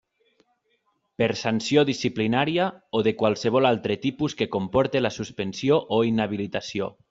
Per sanció disciplinària o de qualsevol altre tipus que comporte la suspensió o inhabilitació.